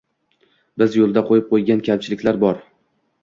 Biz yoʻlda qoʻyib qoʻygan kamchiliklar bor.